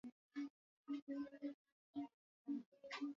Visu vimenolewa.